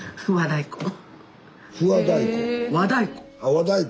和太鼓！